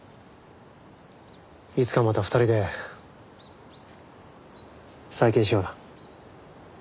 いつかまた２人で再建しような。